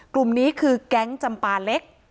กลุ่มนี้คือแก๊งจำปาเล็ก